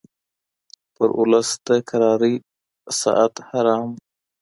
پر اولس د کرارۍ ساعت حرام و